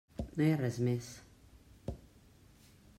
No hi ha res més.